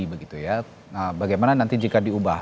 bagaimana nanti jika diubah